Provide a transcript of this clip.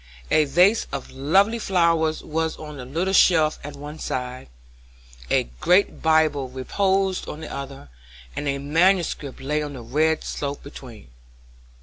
A vase of lovely flowers was on the little shelf at one side, a great Bible reposed on the other, and a manuscript lay on the red slope between.